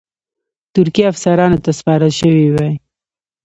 ترکي افسرانو ته سپارل شوی وای.